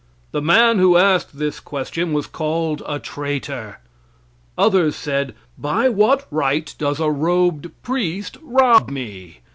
The man who asked this question was called a traitor. Others said, by what right does a robed priest rob me?